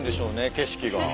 景色が。